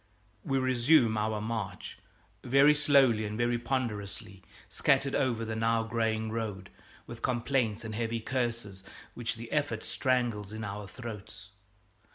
We resume our march, very slowly and very ponderously, scattered over the now graying road, with complaints and heavy curses which the effort strangles in our throats.